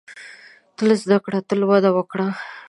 • تل زده کړه، تل وده وکړه.